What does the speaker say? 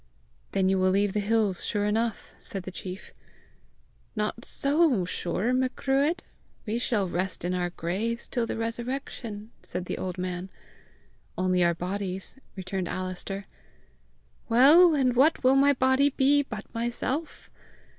"Then you will leave the hills sure enough!" said the chief. "Not so sure, Macruadh! We shall rest in our graves till the resurrection!" said an old man. "Only our bodies," returned Alister. "Well, and what will my body be but myself!